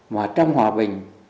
mà trong hòa bình